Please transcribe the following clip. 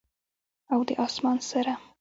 او د اسمان سره،